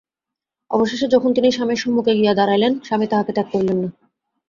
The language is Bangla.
অবশেষে যখন তিনি স্বামীর সম্মুখে গিয়া দাঁড়াইলেন, স্বামী তাঁহাকে ত্যাগ করিলেন না।